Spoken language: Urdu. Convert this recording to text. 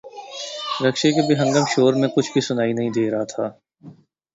رکشے کے بے ہنگم شور میں کچھ بھی سنائی نہیں دے رہا تھا۔